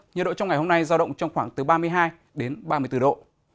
nhiệt độ trong ngày hôm nay giao động trong khoảng từ ba mươi hai ba mươi bốn độ